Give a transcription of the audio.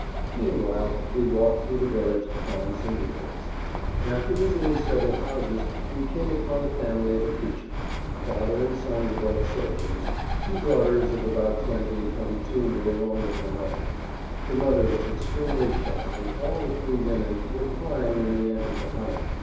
Meanwhile we walked through the village to find some eatables. After visiting several houses we came upon the family of a teacher. Father and son were both soldiers; two daughters of about twenty and twenty two were alone with their mother. The mother was extremely shy, and all the three women were crying when we entered the home.